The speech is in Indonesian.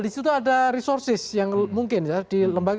di situ ada resources yang mungkin ya